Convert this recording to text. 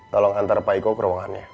tolong antar pak eko ke ruangannya